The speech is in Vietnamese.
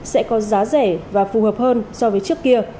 sẽ có giá rẻ và phù hợp hơn so với trước kia